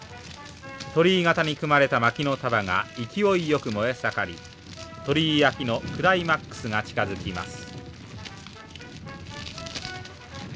鳥居型に組まれたまきの束が勢いよく燃え盛り鳥居焼きのクライマックスが近づきます。